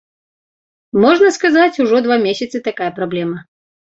Можна сказаць, ужо два месяцы такая праблема.